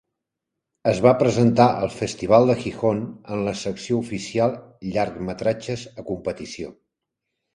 Es va presentar al Festival de Gijón en la secció oficial llargmetratges a competició.